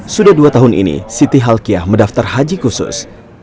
sudah dua tahun ini siti halkiah mendaftar haji khusus